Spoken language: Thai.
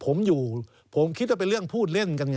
ผมอยู่ผมคิดว่าเป็นเรื่องพูดเล่นกันไง